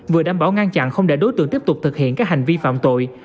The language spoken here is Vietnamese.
vừa đảm bảo ngăn chặn không để đối tượng tiếp tục thực hiện các hành vi phạm tội